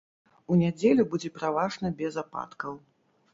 У нядзелю будзе пераважна без ападкаў.